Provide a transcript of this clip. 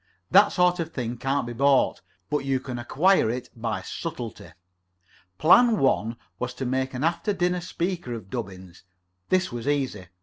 That sort of thing can't be bought, but you can acquire it by subtlety. Plan one was to make an after dinner speaker out of Dubbins. This was easy.